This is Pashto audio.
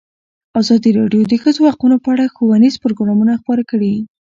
ازادي راډیو د د ښځو حقونه په اړه ښوونیز پروګرامونه خپاره کړي.